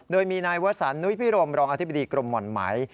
โดยมีนายวสันนุ้ยพิรมรองอธิบดีกรมหม่อนไหม